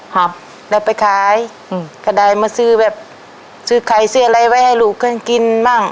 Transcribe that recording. ครับแล้วไปขายอืมก็ได้มาซื้อแบบซื้อไข่ซื้ออะไรไว้ให้ลูกกันกินบ้าง